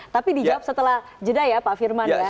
tapi dijawab setelah jeda ya pak firman ya